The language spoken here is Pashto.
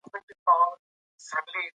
نظم ساتل د کورنۍ یوه مسؤلیت ده.